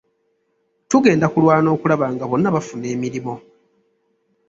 Tugenda kulwana okulaba nga bonna bafuna emirimo.